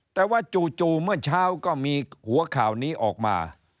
แต่ว่าจู่เมื่อเช้าก็มีหัวข่าวนี้ออกมา